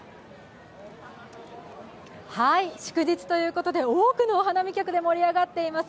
祝日ということで多くのお花見客でにぎわっています